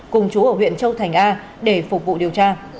cùng chú ở huyện châu thành a để phục vụ điều tra